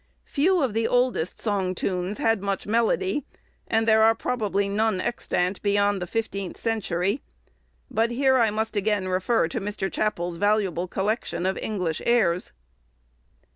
Few of the oldest song tunes had much melody, and there are probably none extant beyond the fifteenth century; but here I must again refer to Mr. Chappell's valuable collection of English airs.